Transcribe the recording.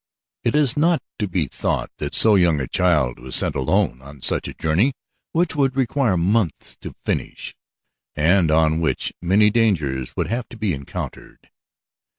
It is not to be thought that so young a child was sent alone on such a journey which would require months to finish and on which many dangers would have to be encountered.